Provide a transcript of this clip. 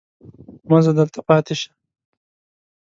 مه ځه دلته پاتې شه.